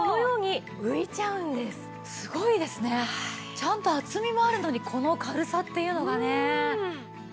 ちゃんと厚みもあるのにこの軽さっていうのがね。